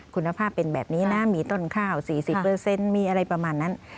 คุณภาพเป็นแบบนี้นะมีต้นข้าว๔๐มีอะไรประมาณนั้น